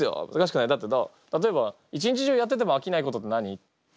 だって例えば一日中やっててもあきないことって何？